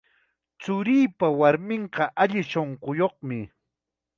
Churiipa warminqa alli shunquyuqmi.